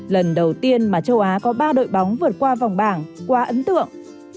lần đầu tiên mà châu á có ba đội bóng vượt qua vòng bảng qua ấn tượng